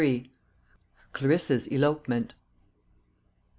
CLARISSA'S ELOPEMENT.